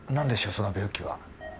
その病気は